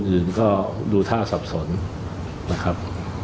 อื่นก็ดูท่าสับสนนะครับ